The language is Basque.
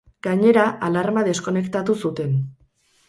Gainera, alarma deskonektatu zuten.